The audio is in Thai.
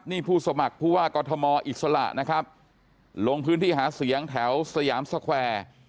นี่ผู้สมัครผู้ว่ากอทมอิสระนะครับลงพื้นที่หาเสียงแถวสยามสแควร์